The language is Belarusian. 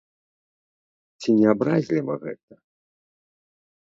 Ці не абразліва гэта?